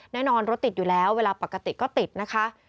รถติดอยู่แล้วเวลาปกติก็ติดนะคะ